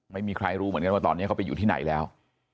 ไม่มีใครรู้เหมือนกันว่าตอนนี้เขาไปอยู่ที่ไหนแล้ว